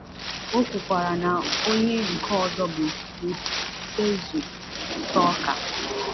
O kwukwara na onye nke ọzọ bụ Ruth Sesuur Tsokar